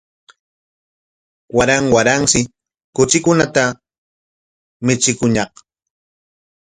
Waran waranshi kuchikunata michikuñaq